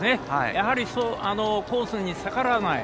やはりあのコースに逆らわない。